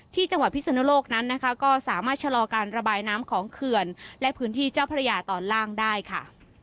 ที่จังหวัดพิศนุโลกนั้นนะคะก็สามารถชะลอการระบายน้ำของเขื่อนและพื้นที่เจ้าพระยาตอนล่างได้ค่ะ